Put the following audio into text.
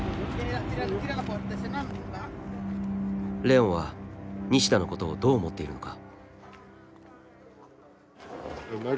レオンは西田のことをどう思っているのか。